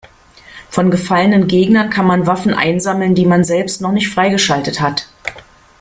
Von gefallenen Gegnern kann man Waffen einsammeln, die man selbst noch nicht freigeschaltet hat.